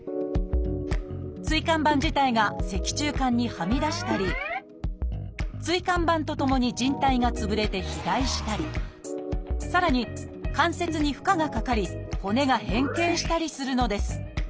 椎間板自体が脊柱管にはみ出したり椎間板とともにじん帯が潰れて肥大したりさらに関節に負荷がかかり骨が変形したりするのです。